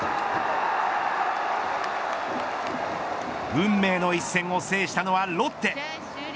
運命の一戦を制したのはロッテ。